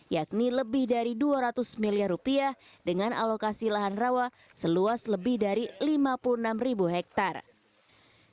yakni lebih dari dua ratus miliar rupiah dengan alokasi lahan rawa seluas lebih dari lima puluh enam ribu hektare